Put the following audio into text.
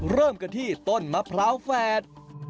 เริ่มกันที่ต้นมะพร้าวแฝด